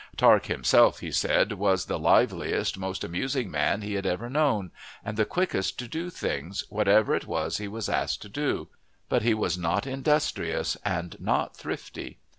Tark, himself, he said, was the liveliest, most amusing man he had ever known, and the quickest to do things, whatever it was he was asked to do, but he was not industrious and not thrifty.